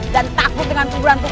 dan takut dengan keguguran ku